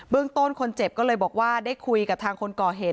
ต้นคนเจ็บก็เลยบอกว่าได้คุยกับทางคนก่อเหตุ